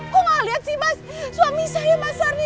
kok gak liat sih mas suami saya mas ardi